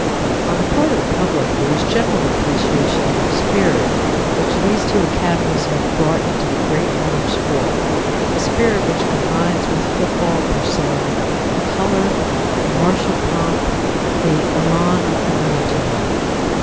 On the part of the public there is general appreciation of the spirit which these two academies have brought into the great autumn sport, a spirit which combines with football per se the color, the martial pomp, the elan of the military.